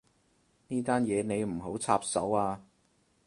呢單嘢你唔好插手啊